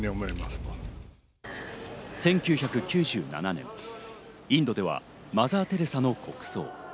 １９９７年、インドではマザー・テレサの国葬。